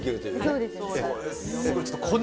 そうです。